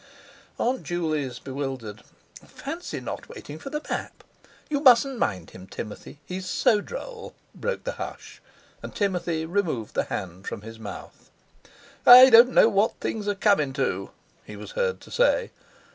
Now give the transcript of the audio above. Aunt Juley's bewildered, "Fancy not waiting for the map! You mustn't mind him, Timothy. He's so droll!" broke the hush, and Timothy removed the hand from his mouth. "I don't know what things are comin' to," he was heard to say.